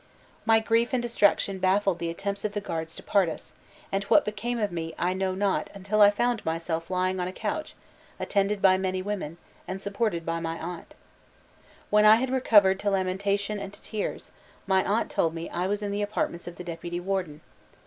"My grief and distraction baffled the attempts of the guards to part us, and what became of me I know not until I found myself lying on a couch, attended by many women, and supported by my aunt. When I had recovered to lamentation and to tears, my aunt told me I was in the apartments of the deputy warden.